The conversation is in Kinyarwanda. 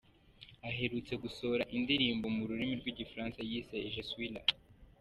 Aherutse no gusohora indirimbo mu rurimi rw’igifaransa yise “Je Suis Là”.